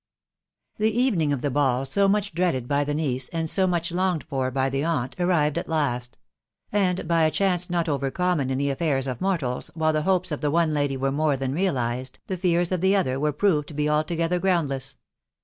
This evening of the ball, so much dreaded by the niece, .and so much longed for by the aunt, arrived at last ; and hf a chance not over common in the affairs «of mortals, while 4he hopes of the one lady were more than realised, the Jean of the other were proved to be altogether groundless.